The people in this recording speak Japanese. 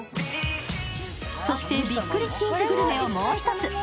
そして、びっくりチーズグルメをもう一つ。